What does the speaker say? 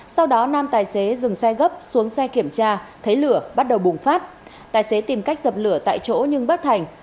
sau đó nam tài xế dừng xe gấp xuống xe kiểm tra thấy lửa bắt đầu bùng phát tài xế tìm cách dập lửa tại chỗ nhưng bất thành